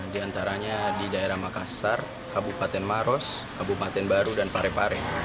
di antaranya di daerah makassar kabupaten maros kabupaten baru dan parepare